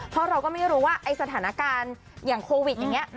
เพราะเราก็ไม่รู้ว่าไอ้สถานการณ์อย่างโควิดอย่างนี้